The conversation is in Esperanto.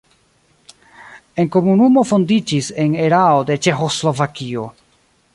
La komunumo fondiĝis en erao de Ĉeĥoslovakio.